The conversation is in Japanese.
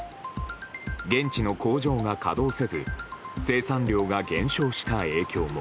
現地の工場が稼働せず生産量が減少した影響も。